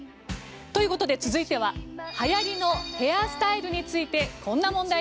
という事で続いては流行りのヘアスタイルについてこんな問題です。